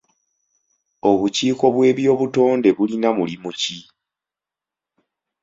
Obukiiko bw'eby'obutonde bulina mulimu ki ?